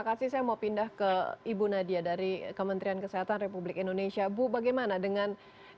kasih saya mau pindah ke ibu nadia dari kementerian kesehatan republik indonesia bu bagaimana dengan